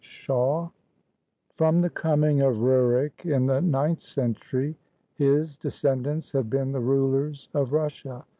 SHAW [From the coming of Rurik, in the ninth century, his de scendants had been the rulers of Russia.